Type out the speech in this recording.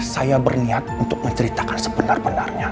saya berniat untuk menceritakan sebenarnya